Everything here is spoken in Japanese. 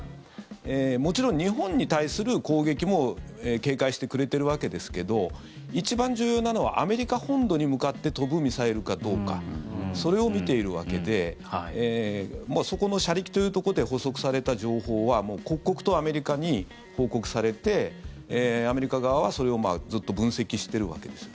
もちろん日本に対する攻撃も警戒してくれてるわけですけど一番重要なのはアメリカ本土に向かって飛ぶミサイルかどうかそれを見ているわけでそこの車力というところで捕捉された情報は刻々とアメリカに報告されてアメリカ側はそれをずっと分析してるわけです。